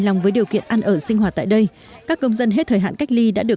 lòng với điều kiện ăn ở sinh hoạt tại đây các công dân hết thời hạn cách ly đã được